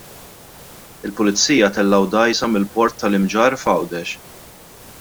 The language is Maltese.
Il-pulizija tellgħu dgħajsa mill-Port tal-Imġarr f'Għawdex.